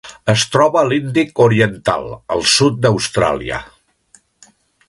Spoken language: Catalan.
Es troba a l'Índic oriental: el sud d'Austràlia.